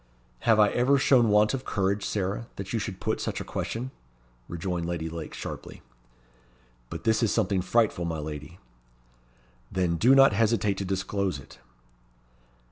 "Have I ever shown want of courage, Sarah, that you should put such a question?" rejoined Lady Lake, sharply. "But this is something frightful, my lady." "Then do not hesitate to disclose it."